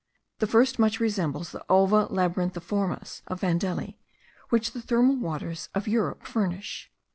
The first much resembles the Ulva labyrinthiformis of Vandelli, which the thermal waters of Europe furnish.